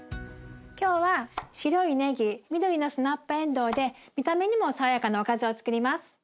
今日は白いねぎ緑のスナップえんどうで見た目にも爽やかなおかずをつくります。